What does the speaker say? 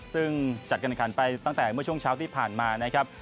ซึ่งจัดการขันไปตั้งแต่เมื่อช่วงเช้าที่ผ่านมานะครับ